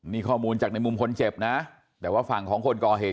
นี่ข้อมูลจากในมุมคนเจ็บนะแต่ว่าฝั่งของคนก่อเหตุ